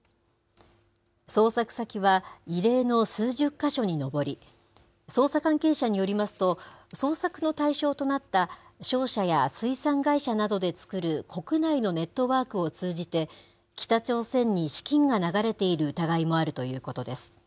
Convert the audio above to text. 捜索先は、異例の数十か所に上り、捜査関係者によりますと、捜索の対象となった商社や水産会社などで作る国内のネットワークを通じて、北朝鮮に資金が流れている疑いもあるということです。